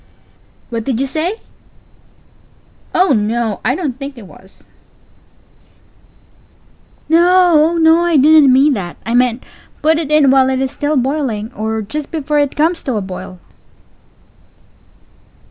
Pause. What did you say? Pause. Oh no, I don't think it was. Pause. _ No_! Oh no, I didn't mean that. I meant, put it in while it is still boiling or just before it _comes _to a boil.